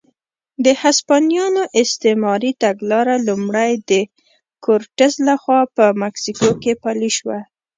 د هسپانویانو استعماري تګلاره لومړی د کورټز لخوا په مکسیکو کې پلې شوه.